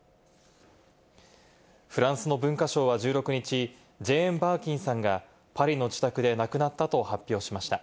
フランスの文化省は１６日、ジェーン・バーキンさんがパリの自宅で亡くなったと発表しました。